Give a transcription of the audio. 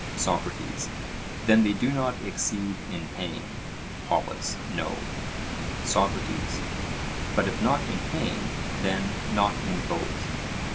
SOCRATES: Then they do not exceed in pain? POLUS: No. SOCRATES: But if not in pain, then not in both?